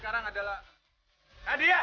kalau mbak gak jadi